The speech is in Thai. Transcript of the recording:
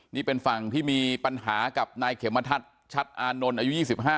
นี่เป็นฝั่งที่มีปัญหากับนายเขมรรทัศน์ชัตอานนท์อายุยี่สิบห้า